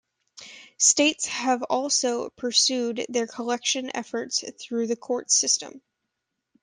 States have also pursued their collection efforts through the court system.